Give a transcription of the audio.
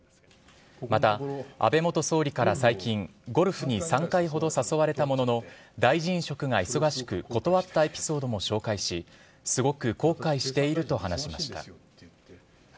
また、安倍元総理から最近、ゴルフに３回ほど誘われたものの、大臣職が忙しく断ったエピソードも紹介し、すごく後悔していると話しました。